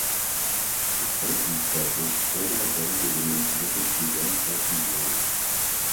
Despite these pressures, Omar Bongo remained committed to one-party rule.